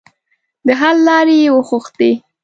د حل لارې یې وغوښتې.